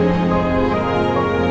dengan sangat tulus